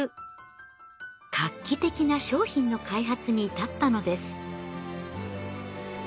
画期的な商品の開発に至ったのです。